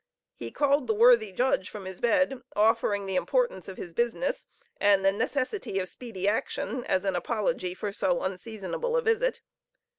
He called the worthy judge from his bed, offering the importance of his business, and the necessity of speedy action, as an apology for so unseasonable a visit.